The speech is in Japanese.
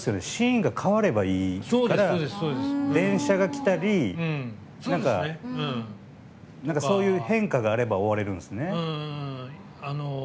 シーンが変わればいいから電車が来たりそういう変化があれば終われるんですね。